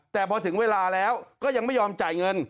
แต่พอถึงเวลาแล้วก็ยังไม่ยอมจ่ายเงิน